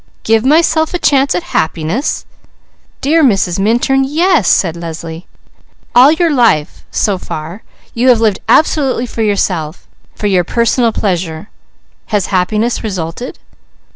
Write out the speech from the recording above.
"'Give myself a chance at happiness!'" "Dear Mrs. Minturn, yes!" said Leslie. "All your life, so far, you have lived absolutely for yourself; for your personal pleasure. Has happiness resulted?"